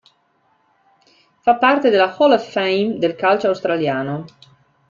Fa parte della Hall of Fame del calcio australiano.